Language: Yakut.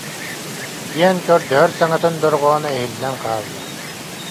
диэн көрдөһөр саҥатын дорҕооно иһиллэн хаалла